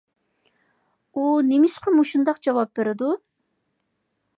ئۇ نېمىشقا مۇشۇنداق جاۋاب بېرىدۇ؟